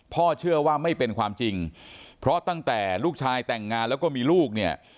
พ่อเชื่อว่าไม่เป็นความจริงเพราะตั้งแต่ลูกชายแต่งงานแล้วก็มีลูกเนี่ย